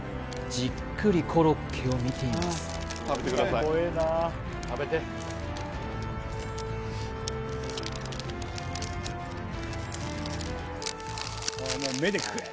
じっくりコロッケを見ています